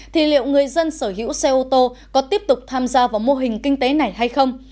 thì liệu người dân sở hữu xe ô tô có tiếp tục tham gia vào mô hình kinh tế này hay không